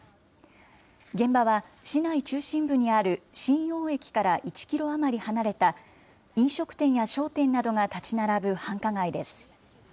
現場は、市内中心部にある瀋陽駅から１キロ余り離れた、飲食店や商店などが建ち並ぶ繁華街です。